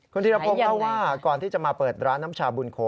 คนที่เราพบก็ว่าก่อนที่จะมาเปิดร้านน้ำชาบุญโข